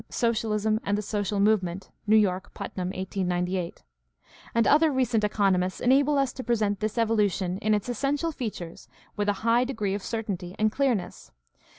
Socialism and the Social Movement [New York: Putnam, 1898]), and other recent economists enable us to present this evolution in its essential features with a high degree of certainty and clearness.